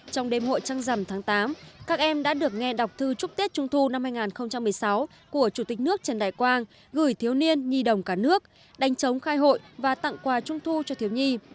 trong đêm hội trăng rằm tháng tám các em đã được nghe đọc thư chúc tết trung thu năm hai nghìn một mươi sáu của chủ tịch nước trần đại quang gửi thiếu niên nhi đồng cả nước đánh chống khai hội và tặng quà trung thu cho thiếu nhi